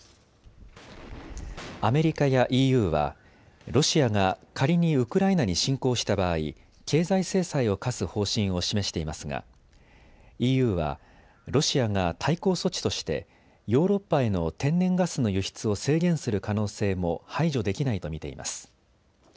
アメリカやＥＵはロシアが仮にウクライナに侵攻した場合、経済制裁を科す方針を示していますがＥＵはロシアが対抗措置としてヨーロッパへの天然ガスの輸出を制限する可能性も排除できないと見ています。